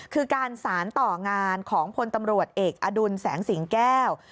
คือการสารต่องานของพลตำรวจเอกอดุลแสงสิงแก้ว